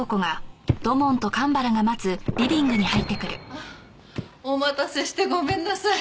あっお待たせしてごめんなさい。